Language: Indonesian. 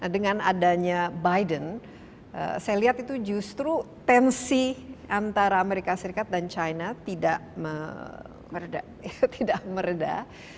dengan adanya biden saya lihat itu justru tensi antara amerika serikat dan china tidak meredah